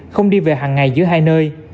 không đi về hằng ngày giữa hai nơi